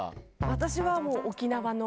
私はもう沖縄の。